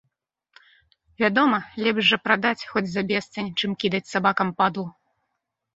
Вядома, лепш жа прадаць, хоць за бесцань, чым кідаць сабакам падлу.